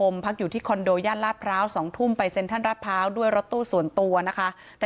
มีความผิดด้วยนะครับ